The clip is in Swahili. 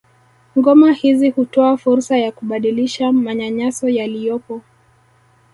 Ngoma hizi hutoa fursa ya kubadilisha manyanyaso yaliyopo